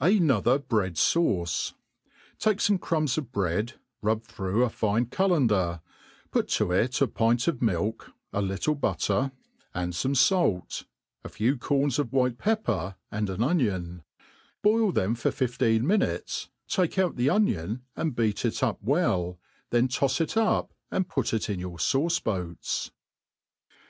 ^ Another bread fauce. Take fome crumbs of bread, rubbed through a fine cullender, put to it a pint of milk, a lUtle but* ' ^3 ^^% 70 THE ART OF COOKERY ter, and fome fait, a few corns of white pepper, and an onion \ boil them for fifteen minutes, take out the onion and beat it up weii^ then tois it up, and put in your fauce boats.